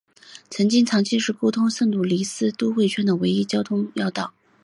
曾经长期是沟通圣路易斯都会圈的唯一的交通要道。